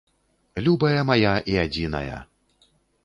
Любая мая і адзіная!